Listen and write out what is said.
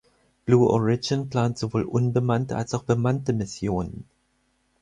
Blue Origin plant sowohl unbemannte als auch bemannte Missionen.